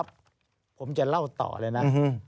ผมจะเล่าต่อเลยนะ